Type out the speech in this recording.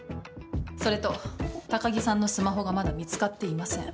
それと高城さんのスマホがまだ見つかっていません。